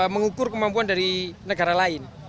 mengukur kemampuan dari negara lain